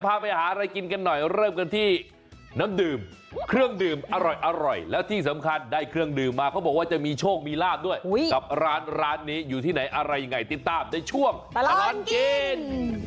พาไปหาอะไรกินกันหน่อยเริ่มกันที่น้ำดื่มเครื่องดื่มอร่อยแล้วที่สำคัญได้เครื่องดื่มมาเขาบอกว่าจะมีโชคมีลาบด้วยกับร้านนี้อยู่ที่ไหนอะไรยังไงติดตามในช่วงตลอดกิน